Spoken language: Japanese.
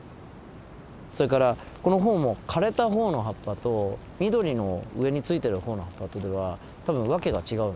それからこのホオも枯れたホオの葉っぱと緑の上についてるホオの葉っぱとでは多分訳が違うんですよね。